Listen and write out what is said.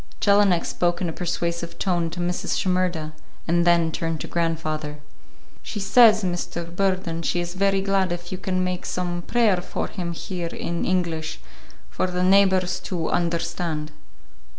Jelinek spoke in a persuasive tone to Mrs. Shimerda, and then turned to grandfather. "She says, Mr. Burden, she is very glad if you can make some prayer for him here in English, for the neighbors to understand."